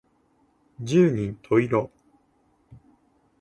十人十色